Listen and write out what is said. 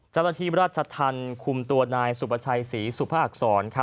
จารถีรัชทันคุมตัวนายสุประชายศรีสุพอักษร